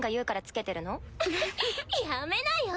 やめなよ。